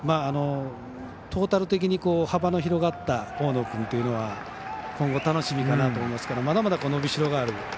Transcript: トータル的に幅の広がった大野君というのは今後、楽しみかなと思いますからまだまだのびしろがある。